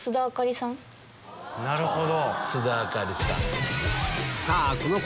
なるほど！